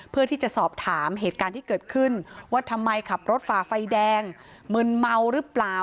เพื่อที่จะสอบถามเหตุการณ์ที่เกิดขึ้นว่าทำไมขับรถฝ่าไฟแดงมึนเมาหรือเปล่า